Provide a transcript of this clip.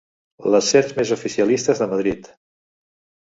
Les serps més oficialistes de Madrid.